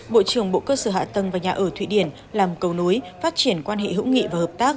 bộ trưởng bộ cơ sở hạ tầng và nhà ở thụy điển làm cầu nối phát triển quan hệ hữu nghị và hợp tác